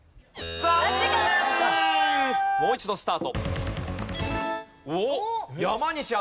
さあもう一度スタート！